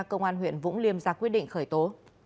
công an huyện vũng liêm ra quyết định khởi tố